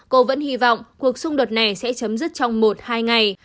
cô vẫn hy vọng cuộc xung đột này sẽ chấm dứt trong một hai ngày